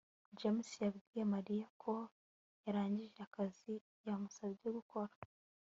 james yabwiye mariya ko yarangije akazi yamusabye gukora